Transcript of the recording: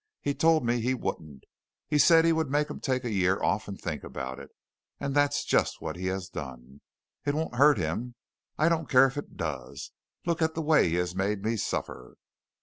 He told me he wouldn't. He said he would make him take a year off and think about it, and that's just what he has done. It won't hurt him. I don't care if it does. Look at the way he has made me suffer."